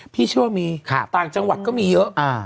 พี่เชื่อว่ามีต่างจังหวัดก็มีเยอะ